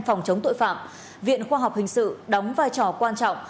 phòng chống tội phạm viện khoa học hình sự đóng vai trò quan trọng